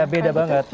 iya beda banget